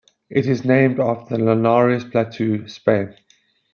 It is named after the Linares Plateau, Spain.